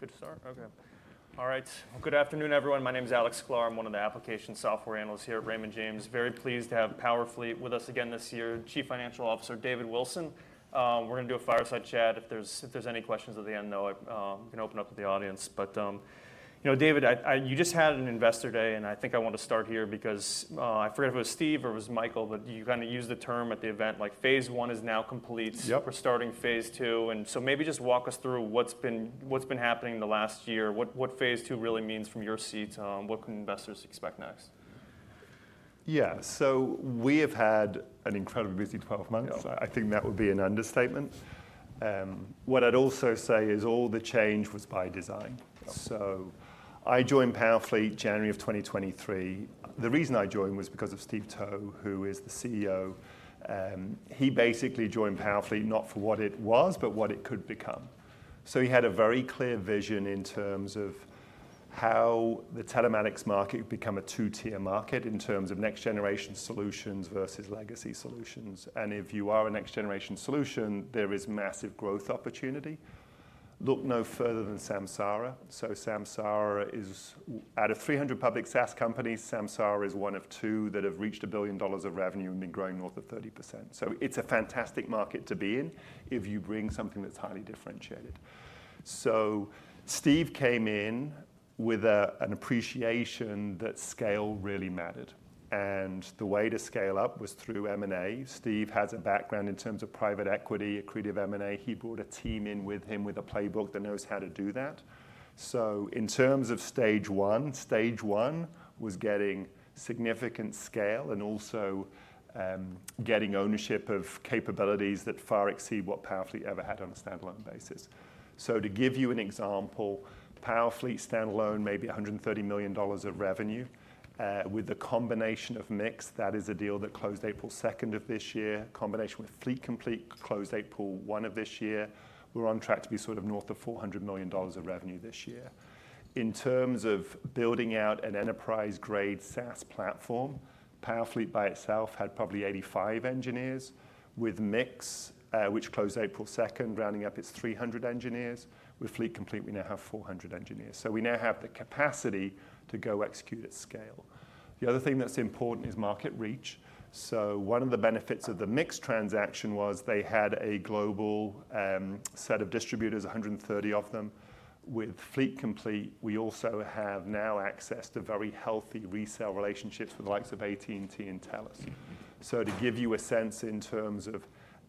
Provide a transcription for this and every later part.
Right, thanks. Good start, okay. All right, well, good afternoon, everyone. My name's Alex Sklar. I'm one of the application software analysts here at Raymond James. Very pleased to have PowerFleet with us again this year. Chief Financial Officer David Wilson. We're going to do a fireside chat. If there's any questions at the end, though, we can open up to the audience. But, you know, David, you just had an Investor Day, and I think I want to start here because I forget if it was Steve or it was Michael, but you kind of used the term at the event, like, "Phase I is now complete. Yep. We're starting Phase II," and so maybe just walk us through what's been happening the last year, what Phase II really means from your seat, what can investors expect next? Yeah, so we have had an incredibly busy 12 months. I think that would be an understatement. What I'd also say is all the change was by design. So I joined PowerFleet January of 2023. The reason I joined was because of Steve Towe, who is the CEO. He basically joined PowerFleet not for what it was, but what it could become. So he had a very clear vision in terms of how the telematics market would become a two-tier market in terms of next-generation solutions versus legacy solutions and if you are a next-generation solution, there is massive growth opportunity. Look no further than Samsara. So Samsara is, out of 300 public SaaS companies, Samsara is one of two that have reached $1 billion of revenue and been growing north of 30%. So it's a fantastic market to be in if you bring something that's highly differentiated. So Steve came in with an appreciation that scale really mattered and the way to scale up was through M&A. Steve has a background in terms of private equity, accretive M&A. He brought a team in with him with a playbook that knows how to do that. So in terms of stage one, stage one was getting significant scale and also getting ownership of capabilities that far exceed what PowerFleet ever had on a standalone basis. So to give you an example, PowerFleet standalone may be $130 million of revenue. With the combination of MiX, that is a deal that closed April 2nd of this year. Combination with Fleet Complete closed April 1 of this year. We're on track to be sort of north of $400 million of revenue this year. In terms of building out an enterprise-grade SaaS platform, PowerFleet by itself had probably 85 engineers. With MiX, which closed April 2nd, rounding up its 300 engineers. With Fleet Complete, we now have 400 engineers. So we now have the capacity to go execute at scale. The other thing that's important is market reach. So one of the benefits of the MiX transaction was they had a global set of distributors, 130 of them. With Fleet Complete, we also have now access to very healthy resale relationships with the likes of AT&T and Telus. So to give you a sense in terms of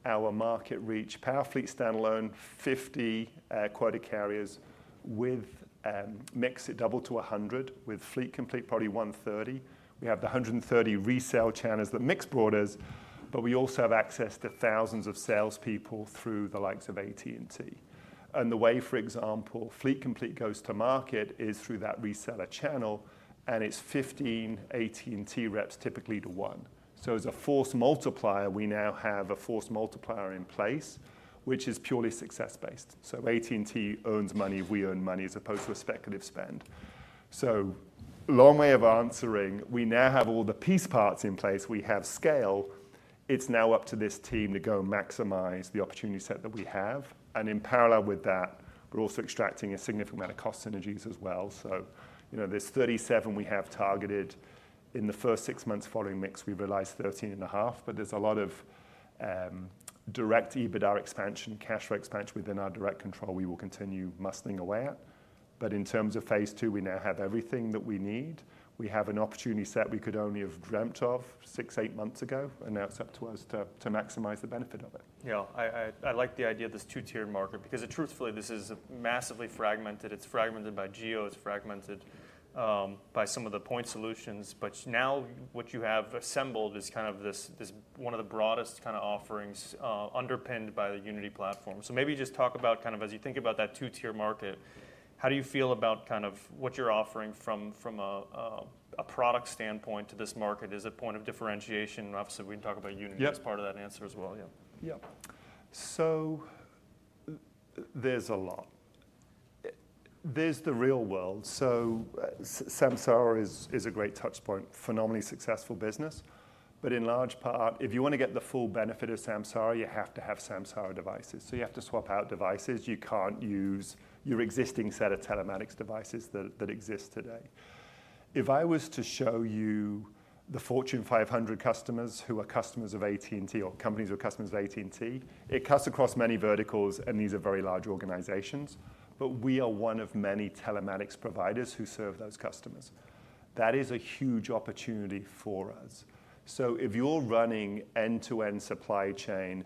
our market reach, PowerFleet standalone, 50 direct carriers. With MiX, it doubled to 100. With Fleet Complete, probably 130. We have the 130 resale channels that MiX brought us, but we also have access to thousands of salespeople through the likes of AT&T. The way, for example, Fleet Complete goes to market is through that reseller channel, and it's 15 AT&T reps typically to one. As a force multiplier, we now have a force multiplier in place, which is purely success-based. AT&T earns money, we earn money, as opposed to a speculative spend. Long way of answering, we now have all the piece parts in place. We have scale. It's now up to this team to go maximize the opportunity set that we have. In parallel with that, we're also extracting a significant amount of cost synergies as well. You know, there's $37 million we have targeted. In the first six months following MiX, we've realized $13.5 million, but there's a lot of direct EBITDA expansion, cash flow expansion within our direct control we will continue chipping away at. But in terms of Phase II, we now have everything that we need. We have an opportunity set we could only have dreamt of six, eight months ago, and now it's up to us to maximize the benefit of it. Yeah, I like the idea of this two-tier market because truthfully, this is massively fragmented. It's fragmented by geo, it's fragmented by some of the point solutions, but now what you have assembled is kind of this one of the broadest kind of offerings underpinned by the Unity platform. So maybe just talk about kind of as you think about that two-tier market, how do you feel about kind of what you're offering from a product standpoint to this market? Is it point of differentiation? Obviously, we can talk about Unity as part of that answer as well. Yeah, yeah. So there's a lot. There's the real world. So Samsara is a great touchpoint, phenomenally successful business, but in large part, if you want to get the full benefit of Samsara, you have to have Samsara devices. So you have to swap out devices. You can't use your existing set of telematics devices that exist today. If I was to show you the Fortune 500 customers who are customers of AT&T or companies who are customers of AT&T, it cuts across many verticals, and these are very large organizations. But we are one of many telematics providers who serve those customers. That is a huge opportunity for us. So if you're running end-to-end supply chain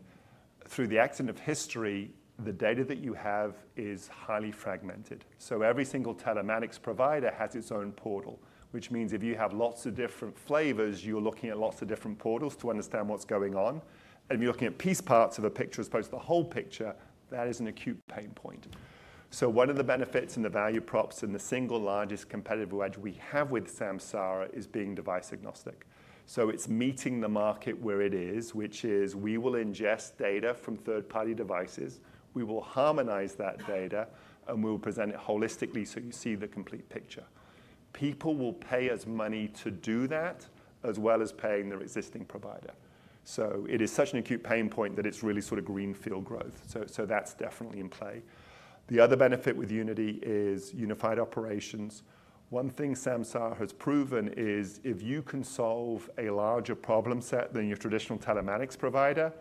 through the accident of history, the data that you have is highly fragmented. So every single telematics provider has its own portal, which means if you have lots of different flavors, you're looking at lots of different portals to understand what's going on and if you're looking at piece parts of a picture as opposed to the whole picture, that is an acute pain point. So one of the benefits and the value props and the single largest competitive wedge we have with Samsara is being device agnostic. So it's meeting the market where it is, which is we will ingest data from third-party devices, we will harmonize that data, and we will present it holistically so you see the complete picture. People will pay us money to do that as well as paying their existing provider. So it is such an acute pain point that it's really sort of greenfield growth. So that's definitely in play. The other benefit with Unity is unified operations. One thing Samsara has proven is if you can solve a larger problem set than your traditional telematics provider,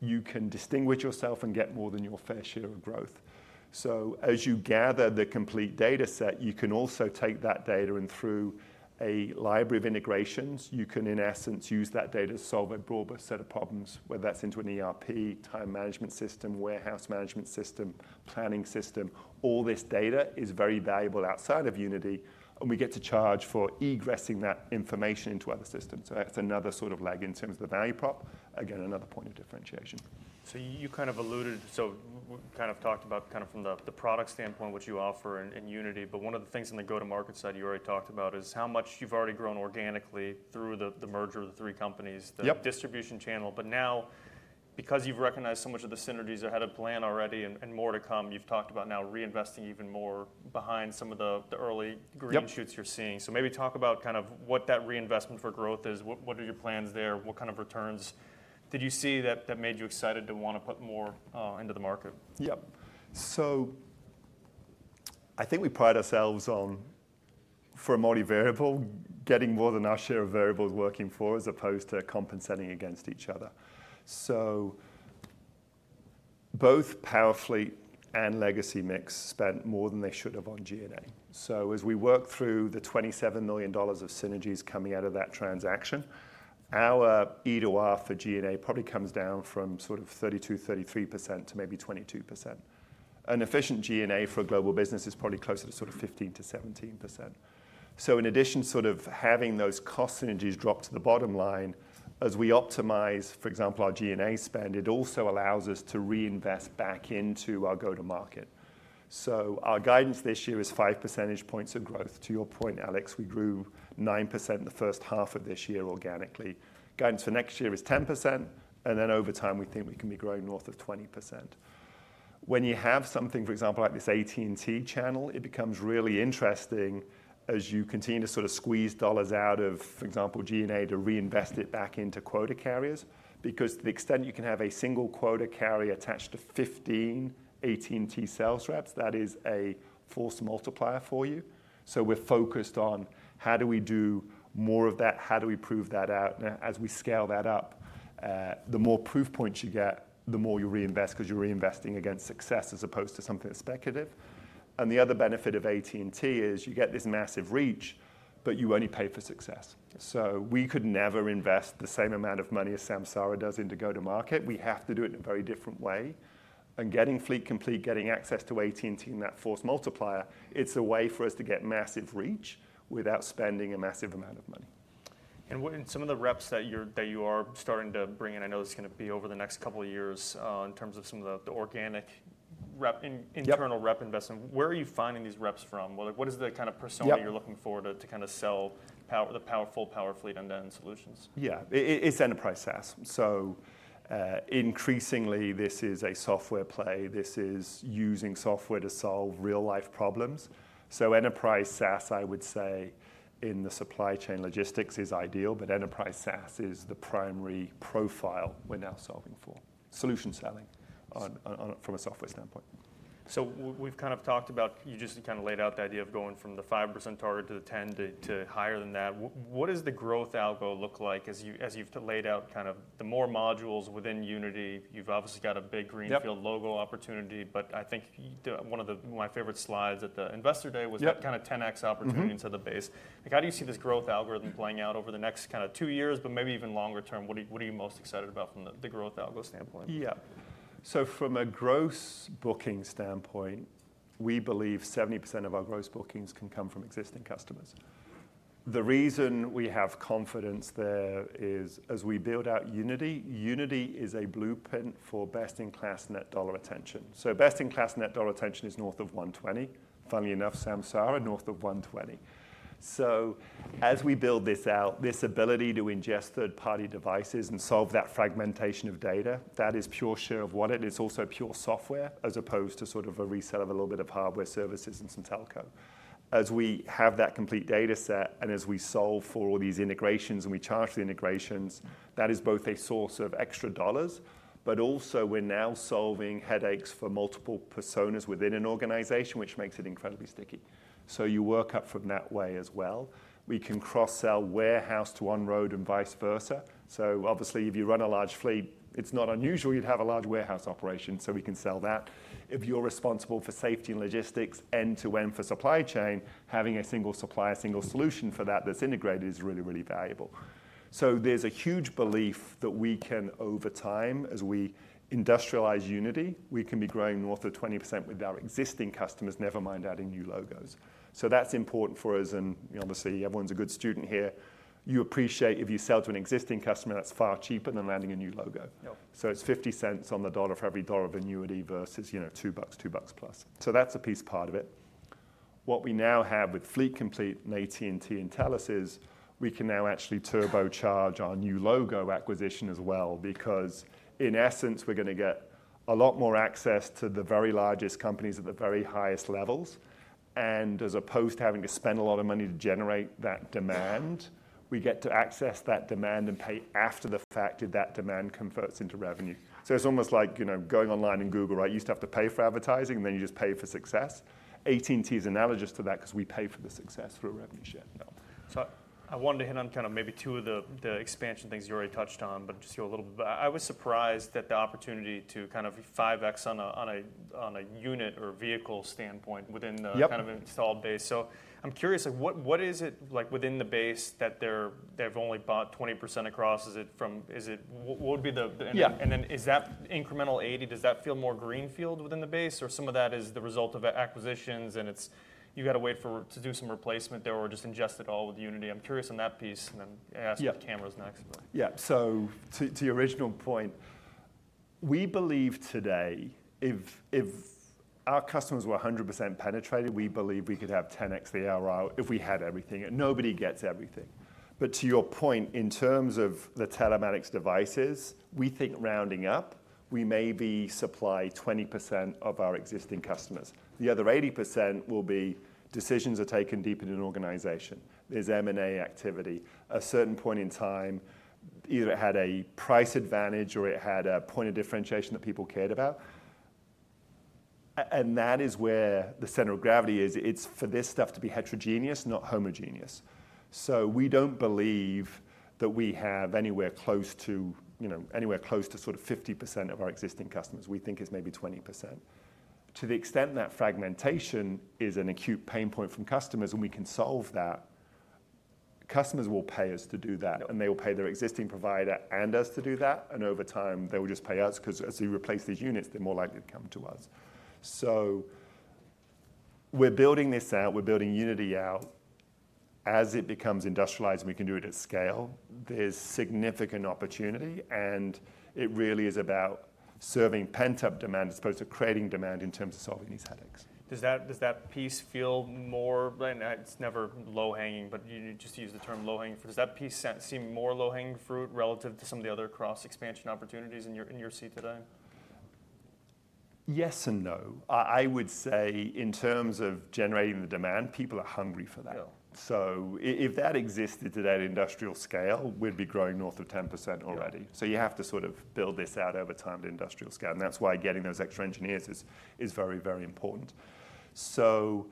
you can distinguish yourself and get more than your fair share of growth. So as you gather the complete data set, you can also take that data and through a library of integrations, you can in essence use that data to solve a broader set of problems, whether that's into an ERP, time management system, warehouse management system, planning system. All this data is very valuable outside of Unity, and we get to charge for egressing that information into other systems. So that's another sort of leg in terms of the value prop. Again, another point of differentiation. So you kind of alluded, so we kind of talked about kind of from the product standpoint what you offer in Unity, but one of the things on the go-to-market side you already talked about is how much you've already grown organically through the merger of the three companies, the distribution channel. But now, because you've recognized so much of the synergies ahead of plan already and more to come, you've talked about now reinvesting even more behind some of the early green shoots you're seeing. So maybe talk about kind of what that reinvestment for growth is. What are your plans there? What kind of returns did you see that made you excited to want to put more into the market? Yep. So I think we pride ourselves on, for a multi-variable, getting more than our share of variables working for, as opposed to compensating against each other. So both PowerFleet and legacy MiX spent more than they should have on G&A. So as we work through the $27 million of synergies coming out of that transaction, our ER for G&A probably comes down from sort of 32%-33% to maybe 22%. An efficient G&A for a global business is probably closer to sort of 15%-17%. So in addition, sort of having those cost synergies drop to the bottom line as we optimize, for example, our G&A spend, it also allows us to reinvest back into our go-to-market. So our guidance this year is five percentage points of growth. To your point, Alex, we grew 9% in the first half of this year organically. Guidance for next year is 10%, and then over time we think we can be growing north of 20%. When you have something, for example, like this AT&T channel, it becomes really interesting as you continue to sort of squeeze dollars out of, for example, G&A to reinvest it back into quota carriers, because to the extent you can have a single quota carrier attached to 15 AT&T sales reps, that is a force multiplier for you. So we're focused on how do we do more of that, how do we prove that out. Now, as we scale that up, the more proof points you get, the more you reinvest because you're reinvesting against success as opposed to something speculative. The other benefit of AT&T is you get this massive reach, but you only pay for success. We could never invest the same amount of money as Samsara does into go-to-market. We have to do it in a very different way. Getting Fleet Complete, getting access to AT&T and that force multiplier, it's a way for us to get massive reach without spending a massive amount of money. Some of the reps that you are starting to bring in, I know this is going to be over the next couple of years in terms of some of the organic internal rep investment. Where are you finding these reps from? What is the kind of persona you're looking for to kind of sell the powerful PowerFleet end-to-end solutions? Yeah, it's Enterprise SaaS. So increasingly, this is a software play. This is using software to solve real-life problems. So Enterprise SaaS, I would say, in the supply chain logistics is ideal, but Enterprise SaaS is the primary profile we're now solving for, solution selling from a software standpoint. So we've kind of talked about, you just kind of laid out the idea of going from the 5% target to the 10% to higher than that. What does the growth algo look like as you've laid out kind of the more modules within Unity? You've obviously got a big greenfield low-hanging opportunity, but I think one of my favorite slides at the Investor Day was kind of 10x opportunity into the base. How do you see this growth algorithm playing out over the next kind of two years, but maybe even longer term? What are you most excited about from the growth algo standpoint? Yeah. So from a gross booking standpoint, we believe 70% of our gross bookings can come from existing customers. The reason we have confidence there is as we build out Unity, Unity is a blueprint for best-in-class net dollar retention. So best-in-class net dollar retention is north of 120. Funnily enough, Samsara north of 120. So as we build this out, this ability to ingest third-party devices and solve that fragmentation of data, that is pure SaaS of what it is. It's also pure software as opposed to sort of a resale of a little bit of hardware services and some telco. As we have that complete data set and as we solve for all these integrations and we charge for the integrations, that is both a source of extra dollars, but also we're now solving headaches for multiple personas within an organization, which makes it incredibly sticky. So you work up from that way as well. We can cross-sell warehouse to on-road and vice versa. So obviously, if you run a large fleet, it's not unusual you'd have a large warehouse operation, so we can sell that. If you're responsible for safety and logistics end-to-end for supply chain, having a single supplier, a single solution for that that's integrated is really, really valuable. So there's a huge belief that we can over time, as we industrialize Unity, we can be growing north of 20% with our existing customers, never mind adding new logos. So that's important for us, and obviously everyone's a good student here. You appreciate if you sell to an existing customer, that's far cheaper than landing a new logo. So it's $0.50 on the dollar for every dollar of annuity versus $2, $2+. So that's a piece part of it. What we now have with Fleet Complete and AT&T and Telus is we can now actually turbocharge our new logo acquisition as well because in essence, we're going to get a lot more access to the very largest companies at the very highest levels, and as opposed to having to spend a lot of money to generate that demand, we get to access that demand and pay after the fact if that demand converts into revenue. So it's almost like going online and Google, right? You used to have to pay for advertising, and then you just pay for success. AT&T is analogous to that because we pay for the success for a revenue share. So I wanted to hit on kind of maybe two of the expansion things you already touched on, but just here a little bit. I was surprised at the opportunity to kind of 5x on a unit or vehicle standpoint within the kind of installed base. So I'm curious, what is it like within the base that they've only bought 20% across? Is it from, what would be the? Then is that incremental 80, does that feel more greenfield within the base or some of that is the result of acquisitions and you got to wait to do some replacement there or just ingest it all with Unity? I'm curious on that piece and then ask if the camera's next. Yeah, so to your original point, we believe today if our customers were 100% penetrated, we believe we could have 10x the ROI if we had everything and nobody gets everything. But to your point, in terms of the telematics devices, we think rounding up, we maybe supply 20% of our existing customers. The other 80% will be decisions are taken deep in an organization. There's M&A activity. At a certain point in time, either it had a price advantage or it had a point of differentiation that people cared about and that is where the center of gravity is. It's for this stuff to be heterogeneous, not homogeneous. So we don't believe that we have anywhere close to anywhere close to sort of 50% of our existing customers. We think it's maybe 20%. To the extent that fragmentation is an acute pain point from customers and we can solve that, customers will pay us to do that, and they will pay their existing provider and us to do that, and over time, they will just pay us because as we replace these units, they're more likely to come to us. So we're building this out. We're building Unity out. As it becomes industrialized and we can do it at scale, there's significant opportunity, and it really is about serving pent-up demand as opposed to creating demand in terms of solving these headaches. Does that piece feel more? It's never low-hanging, but you just use the term low-hanging. Does that piece seem more low-hanging fruit relative to some of the other cross-expansion opportunities in your seat today? Yes and no. I would say in terms of generating the demand, people are hungry for that. So if that existed today at industrial scale, we'd be growing north of 10% already. So you have to sort of build this out over time to industrial scale and that's why getting those extra engineers is very, very important. So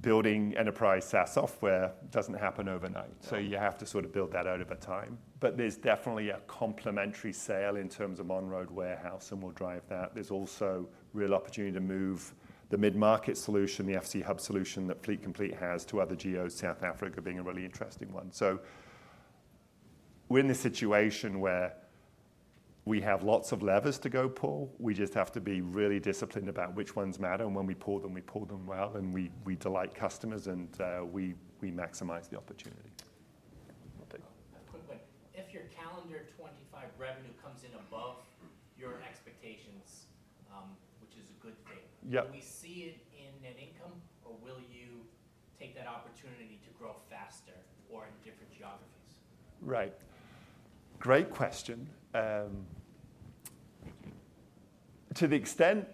building enterprise SaaS software doesn't happen overnight. So you have to sort of build that out over time. But there's definitely a complementary sale in terms of on-road warehouse, and we'll drive that. There's also real opportunity to move the mid-market solution, the FC Hub solution that Fleet Complete has to other geos in South Africa being a really interesting one. So we're in this situation where we have lots of levers to go pull. We just have to be really disciplined about which ones matter. When we pull them, we pull them well, and we delight customers, and we maximize the opportunity. Quickly, if your calendar 2025 revenue comes in above your expectations, which is a good thing, will we see it in net income, or will you take that opportunity to grow faster or in different geographies? Right. Great question. To the extent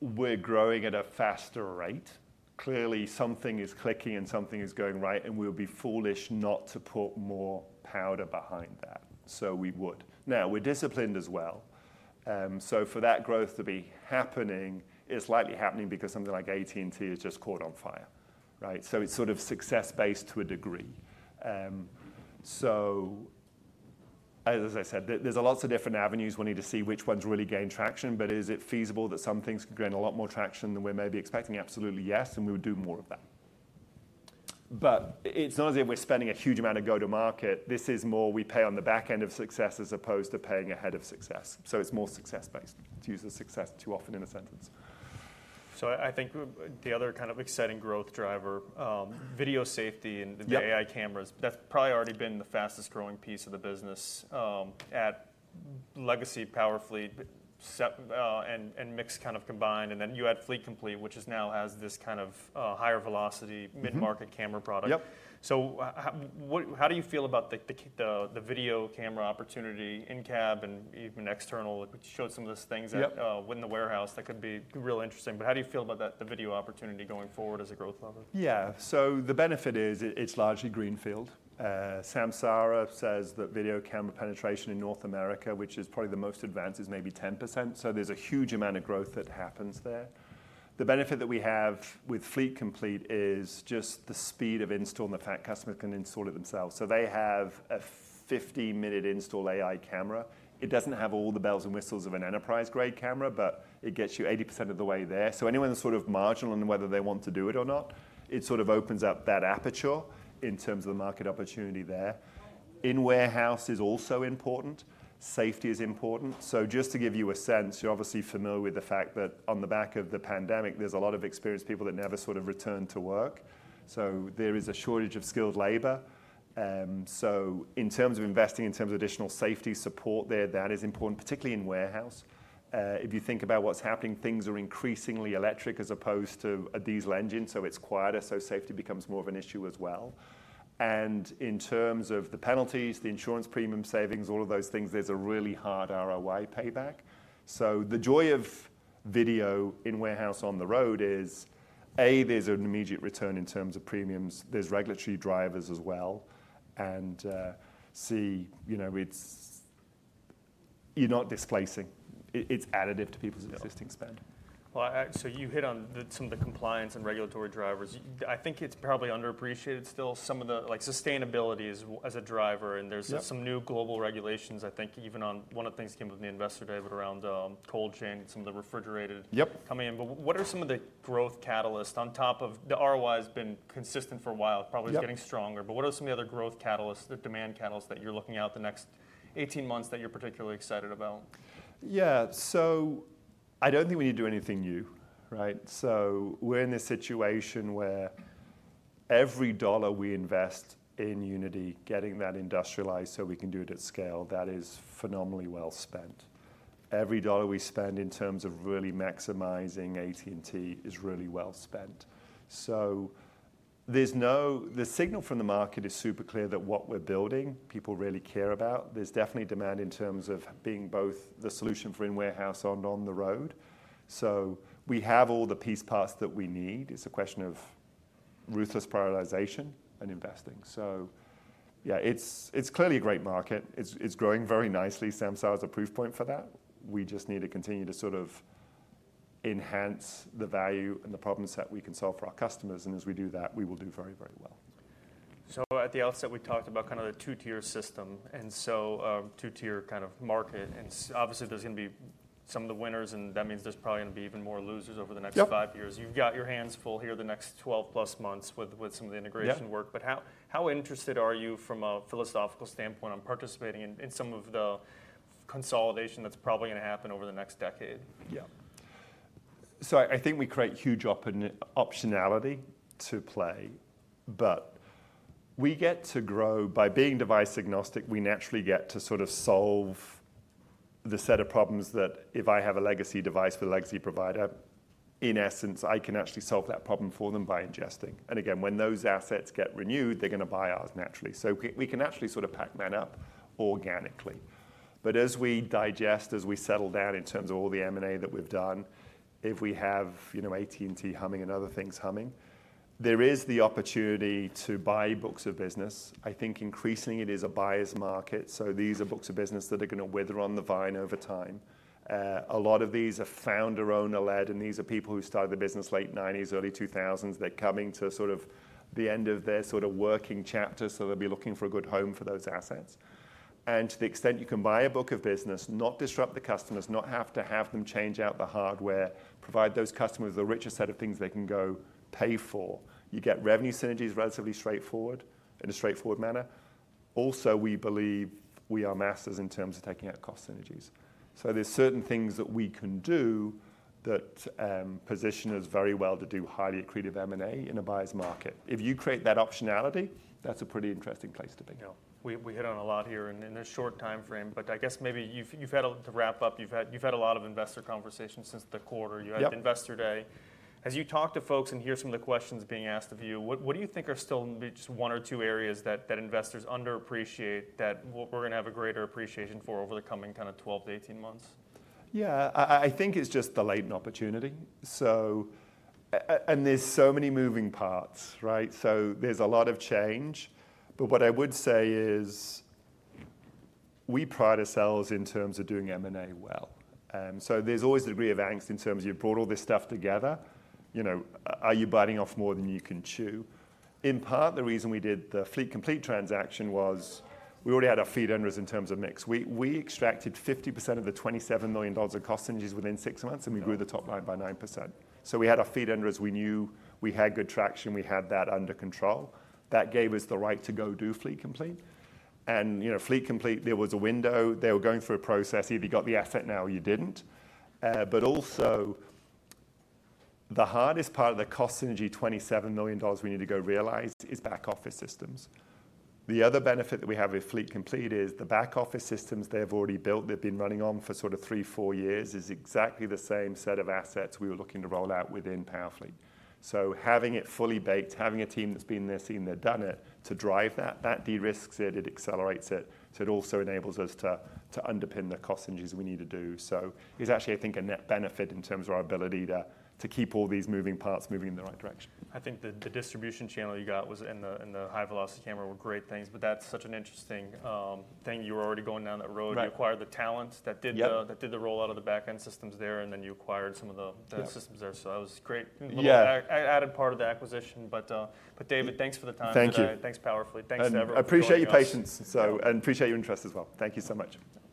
we're growing at a faster rate, clearly something is clicking and something is going right, and we'll be foolish not to put more powder behind that. So we would. Now, we're disciplined as well. So for that growth to be happening, it's likely happening because something like AT&T has just caught on fire, right? So it's sort of success-based to a degree. So as I said, there's lots of different avenues. We need to see which ones really gain traction, but is it feasible that some things could gain a lot more traction than we're maybe expecting? Absolutely, yes, and we would do more of that. But it's not as if we're spending a huge amount of go-to-market. This is more we pay on the back end of success as opposed to paying ahead of success. So it's more success-based. To use the success too often in a sentence. So I think the other kind of exciting growth driver, video safety and the AI cameras, that's probably already been the fastest growing piece of the business at Legacy PowerFleet, and MiX kind of combined and then you had Fleet Complete, which now has this kind of higher velocity mid-market camera product. So how do you feel about the video camera opportunity in cab and even external? We showed some of those things in the warehouse that could be real interesting but how do you feel about the video opportunity going forward as a growth lever? Yeah, so the benefit is it's largely greenfield. Samsara says that video camera penetration in North America, which is probably the most advanced, is maybe 10%. So there's a huge amount of growth that happens there. The benefit that we have with Fleet Complete is just the speed of install and the fact customers can install it themselves. So they have a 15-minute install AI camera. It doesn't have all the bells and whistles of an enterprise-grade camera, but it gets you 80% of the way there. So anyone that's sort of marginal in whether they want to do it or not, it sort of opens up that aperture in terms of the market opportunity there. In warehouse is also important. Safety is important. So just to give you a sense, you're obviously familiar with the fact that on the back of the pandemic, there's a lot of experienced people that never sort of returned to work. So there is a shortage of skilled labor. So in terms of investing, in terms of additional safety support there, that is important, particularly in warehouse. If you think about what's happening, things are increasingly electric as opposed to a diesel engine, so it's quieter, so safety becomes more of an issue as well. In terms of the penalties, the insurance premium savings, all of those things, there's a really hard ROI payback. So the joy of video in warehouse on the road is, A, there's an immediate return in terms of premiums. There's regulatory drivers as well. C, you're not displacing. It's additive to people's existing spend. So you hit on some of the compliance and regulatory drivers. I think it's probably underappreciated still, some of the sustainability as a driver and there's some new global regulations, I think, even on one of the things that came with the investor day around cold chain and some of the refrigerated coming in. But what are some of the growth catalysts on top of the ROI has been consistent for a while, probably getting stronger, but what are some of the other growth catalysts, the demand catalysts that you're looking at the next 18 months that you're particularly excited about? Yeah, so I don't think we need to do anything new, right? So we're in this situation where every dollar we invest in Unity, getting that industrialized so we can do it at scale, that is phenomenally well spent. Every dollar we spend in terms of really maximizing AT&T is really well spent. So the signal from the market is super clear that what we're building, people really care about. There's definitely demand in terms of being both the solution for in warehouse and on the road. So we have all the piece parts that we need. It's a question of ruthless prioritization and investing. So yeah, it's clearly a great market. It's growing very nicely. Samsara is a proof point for that. We just need to continue to sort of enhance the value and the problems that we can solve for our customers. As we do that, we will do very, very well. So at the outset, we talked about kind of the two-tier system and so two-tier kind of market. Obviously, there's going to be some of the winners, and that means there's probably going to be even more losers over the next five years. You've got your hands full here the next 12+ months with some of the integration work, but how interested are you from a philosophical standpoint on participating in some of the consolidation that's probably going to happen over the next decade? Yeah. So I think we create huge optionality to play, but we get to grow by being device agnostic. We naturally get to sort of solve the set of problems that if I have a legacy device with a legacy provider, in essence, I can actually solve that problem for them by ingesting. Again, when those assets get renewed, they're going to buy ours naturally. So we can actually sort of Pac-Man up organically. But as we digest, as we settle down in terms of all the M&A that we've done, if we have AT&T humming and other things humming, there is the opportunity to buy books of business. I think increasingly it is a buyer's market. So these are books of business that are going to wither on the vine over time. A lot of these are founder-owner-led, and these are people who started the business late 1990s, early 2000s. They're coming to sort of the end of their sort of working chapter, so they'll be looking for a good home for those assets, and to the extent you can buy a book of business, not disrupt the customers, not have to have them change out the hardware, provide those customers the richer set of things they can go pay for, you get revenue synergies relatively straightforward in a straightforward manner. Also, we believe we are masters in terms of taking out cost synergies. So there's certain things that we can do that position us very well to do highly accretive M&A in a buyer's market. If you create that optionality, that's a pretty interesting place to be. We hit on a lot here in a short time frame, but I guess maybe you've had to wrap up. You've had a lot of investor conversations since the quarter. You had the investor day. As you talk to folks and hear some of the questions being asked of you, what do you think are still just one or two areas that investors underappreciate that we're going to have a greater appreciation for over the coming kind of 12-18 months? Yeah, I think it's just the latent opportunity, and there's so many moving parts, right? So there's a lot of change, but what I would say is we pride ourselves in terms of doing M&A well, so there's always a degree of angst in terms of you brought all this stuff together. Are you biting off more than you can chew? In part, the reason we did the Fleet Complete transaction was we already had our feet under us in terms of MiX. We extracted 50% of the $27 million of cost synergies within six months, and we grew the top line by 9%, so we had our feet under us. We knew we had good traction. We had that under control. That gave us the right to go do Fleet Complete, and Fleet Complete, there was a window. They were going through a process. Either you got the asset now or you didn't. But also, the hardest part of the cost synergy $27 million we need to go realize is back office systems. The other benefit that we have with Fleet Complete is the back office systems they've already built. They've been running on for sort of three, four years is exactly the same set of assets we were looking to roll out within PowerFleet. So having it fully baked, having a team that's been there, seen that done it to drive that, that de-risks it, it accelerates it. So it also enables us to underpin the cost synergies we need to do. So it's actually, I think, a net benefit in terms of our ability to keep all these moving parts moving in the right direction. I think the distribution channel you got and the high velocity camera were great things, but that's such an interesting thing. You were already going down that road. You acquired the talent that did the roll out of the back end systems there, and then you acquired some of the systems there. So that was great. Added part of the acquisition, but David, thanks for the time. Thank you. Thanks, PowerFleet. Thanks to everyone. I appreciate your patience and appreciate your interest as well. Thank you so much. Great.